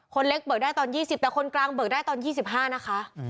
คนเล็กเบิกได้ตอนยี่สิบแต่คนกลางเบิกได้ตอนยี่สิบห้านะคะ